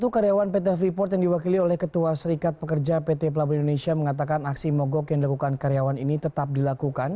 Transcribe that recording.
satu karyawan pt freeport yang diwakili oleh ketua serikat pekerja pt pelabuhan indonesia mengatakan aksi mogok yang dilakukan karyawan ini tetap dilakukan